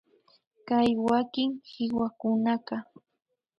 Kay wakin kiwakunaka